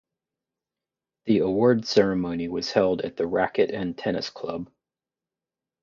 The award ceremony was held at the Racquet and Tennis Club.